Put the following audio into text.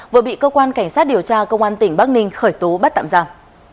vừa bị cơ quan cảnh sát điều tra công an tỉnh bắc ninh khởi tố bắt tạm giam